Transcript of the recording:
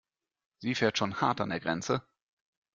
Sie fährt schon hart an der Grenze.